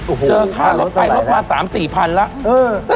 โอ้โหค่ารถเต็มไปรถมา๓๔๐๐๐บาทแล้ว